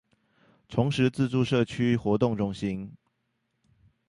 崇實自助社區活動中心